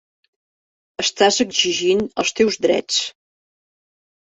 Estàs exigint els teus drets.